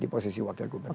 di posisi wakil gubernur